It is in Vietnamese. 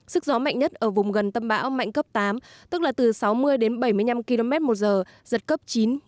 sức gió mạnh nhất ở vùng gần tâm bão mạnh cấp tám tức là từ sáu mươi đến bảy mươi năm km một giờ giật cấp chín